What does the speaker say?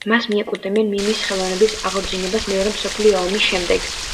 მას მიაკუთვნებენ მიმის ხელოვნების აღორძინებას მეორე მსოფლიო ომის შემდეგ.